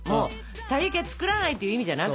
たい焼きは作らないという意味じゃなくて。